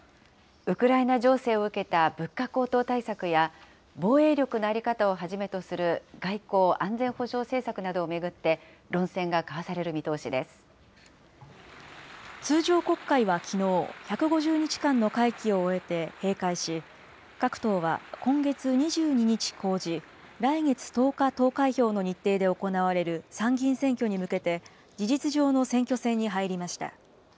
ウクライナ情勢を受けた物価高騰対策や、防衛力の在り方をはじめとする外交・安全保障政策などを巡って、通常国会はきのう、１５０日間の会期を終えて閉会し、各党は今月２２日公示、来月１０日投開票の日程で行われる参議院選挙に向けて、事実上の選挙戦に入りました。